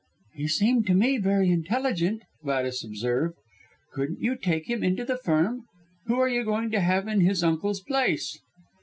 "He seemed to me very intelligent," Gladys observed, "couldn't you take him into the Firm? Who are you going to have in his uncle's place?"